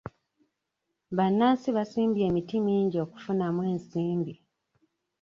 Bannansi basimbye emiti mingi okufunamu ensimbi.